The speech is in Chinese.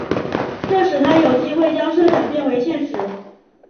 这使他有机会将设想变为现实。